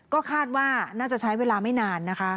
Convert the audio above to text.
ก็คาดแค่น่าจะใช้เวลาไม่นาน